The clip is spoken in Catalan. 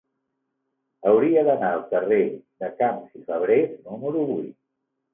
Hauria d'anar al carrer de Camps i Fabrés número vuit.